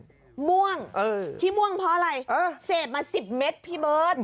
ม่วงที่ม่วงเพราะอะไรเสพมา๑๐เมตรพี่เบิร์ต